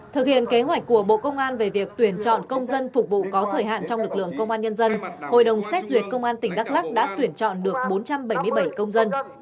thực hiện kế hoạch của bộ công an về việc tuyển chọn công dân phục vụ có thời hạn trong lực lượng công an nhân dân hội đồng xét duyệt công an tỉnh đắk lắc đã tuyển chọn được bốn trăm bảy mươi bảy công dân